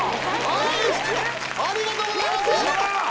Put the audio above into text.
ありがとうございます